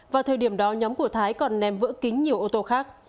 vào thời điểm đó nhóm của thái còn ném vỡ kính nhiều ô tô khác